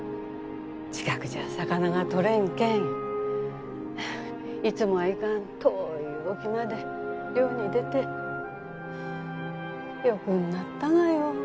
近くじゃ魚がとれんけんいつもは行かん遠い沖まで漁に出て欲になったがよ